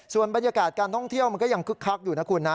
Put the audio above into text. ส่วนบรรยากาศการท่องเที่ยวมันก็ยังคึกคักอยู่นะคุณนะ